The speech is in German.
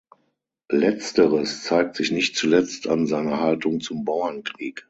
Letzteres zeigt sich nicht zuletzt an seiner Haltung zum Bauernkrieg.